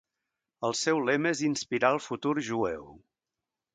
El seu lema és inspirar el futur jueu.